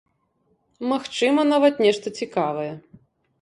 Магчыма, нават, нешта цікавае.